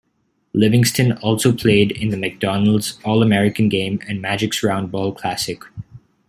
Livingston also played in the McDonald's All-American Game and Magic's Roundball Classic.